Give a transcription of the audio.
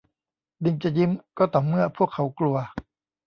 ลิงจะยิ้มก็ต่อเมื่อพวกเขากลัว